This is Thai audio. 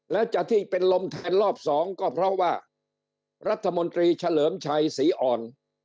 แล้วจะที่เป็นลมแทนรอบสองก็เพราะว่ารัฐมนตรีเฉลิมชัยศรีอ่อน